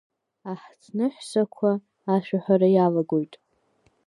Аҳҭныҳәсақәа ашәаҳәара иалагоит.